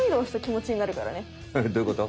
どういうこと？